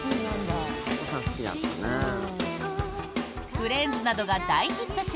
「フレンズ」などが大ヒットし